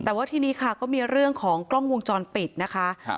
แต่ว่าทีนี้ค่ะก็มีเรื่องของกล้องวงจรปิดนะคะ